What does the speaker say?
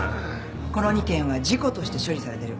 この２件は事故として処理されてる。